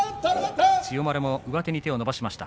千代丸も上手に手を伸ばしました。